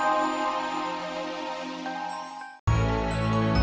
maaf kakak rikanya buru buru